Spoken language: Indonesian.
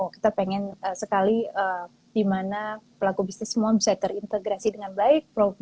kita pengen sekali di mana pelaku bisnis semua bisa terintegrasi dengan baik